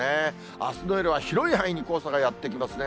あすの夜は広い範囲に黄砂がやって来ますね。